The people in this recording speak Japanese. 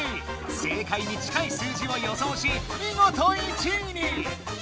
正解に近い数字を予想し見事１位に！